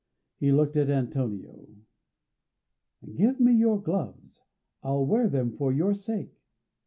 He looked at Antonio. "Give me your gloves; I'll wear them for your sake."